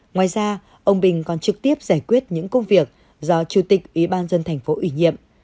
ngoài ra ông bình còn trực tiếp giải quyết những công việc do chủ tịch ubnd tp hcm ủy nhiệm